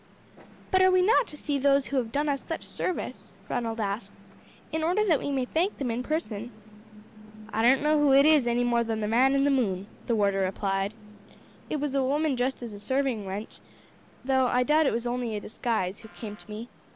"But are we not to see those who have done us such service," Ronald asked, "in order that we may thank them in person?" "I don't know who it is any more than the man in the moon," the warder replied. "It was a woman dressed as a serving wench, though I doubt it was only a disguise, who came to me.